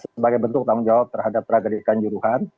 sebagai bentuk tanggung jawab terhadap tragedi kanjuruhan